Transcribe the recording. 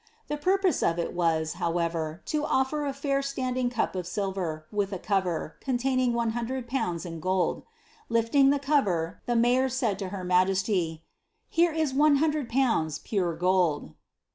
The purpose of it was, however, to offer a fair itanding cup of silver, with a cover, containing 100/. in gold. Lifting the cover, the mayor said to her majesty, ^^ Here is one hundred pounds, pare gold."